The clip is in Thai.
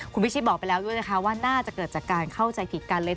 คุณพิชิตบอกไปแล้วด้วยนะคะว่าน่าจะเกิดจากการเข้าใจผิดกันเลย